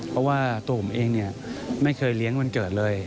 เพราะว่าตัวผมเองไม่เคยเลี้ยงวันเกิดเลย